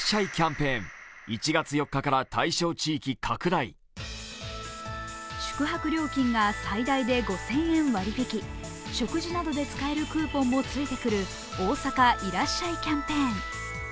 それが宿泊料金が最大で５０００円割引、食事などで使えるクーポンもついてくる大阪いらっしゃいキャンペーン。